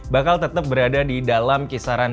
bakal tetap berada di dalam kisaran